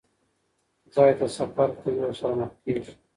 ځای ته سفر کوي، ورسره مخ کېږي.